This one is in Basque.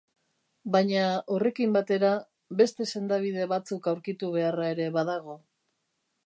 Baina, horrekin batera, beste sendabide batzuk aurkitu beharra ere badago.